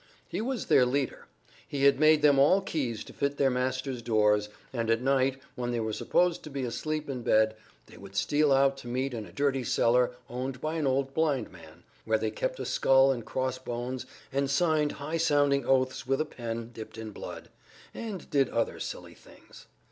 He was their leader. He had made them all keys to fit their masters' doors, and at night, when they were supposed to be asleep in bed, they would steal out to meet in a dirty cellar owned by an old blind man, where they kept a skull and cross bones and signed high sounding oaths with a pen dipped in blood, and did other silly things.